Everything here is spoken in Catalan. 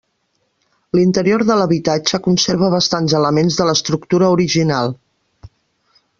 L'interior de l'habitatge conserva bastants elements de l'estructura original.